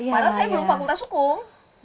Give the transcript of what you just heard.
padahal saya belum fakultas hukum